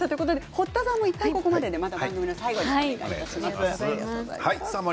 堀田さんも、１回ここまでまた最後にお願いします。